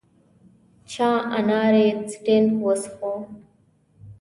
چا اناري سټینګ وڅښو.